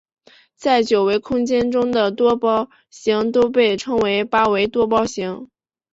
在九维空间中的多胞形都被称为八维多胞形。